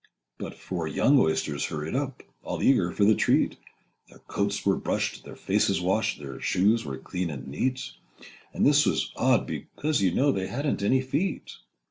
But four young oysters hurried up, Â Â Â Â All eager for the treat: Their coats were brushed, their faces washed, Â Â Â Â Their shoes were clean and neat— And this was odd, because, you know, Â Â Â Â They hadn't any feet.